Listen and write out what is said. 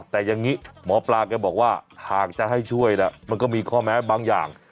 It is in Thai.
แต่อย่างนี้หมอปลาแกบอกว่าหากจะให้ช่วยนะมันก็มีข้อแม้บางอย่าง